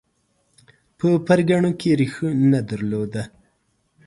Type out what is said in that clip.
په پرګنو کې ریښه نه درلوده